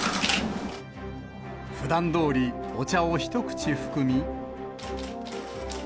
ふだんどおり、お茶を一口含み。